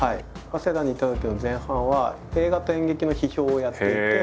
早稲田にいたときの前半は映画と演劇の批評をやっていて。